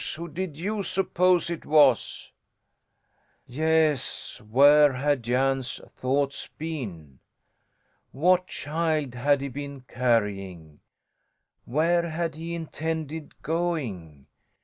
Who did you suppose it was?" Yes, where had Jan's thoughts been? What child had he been carrying? Where had he intended going?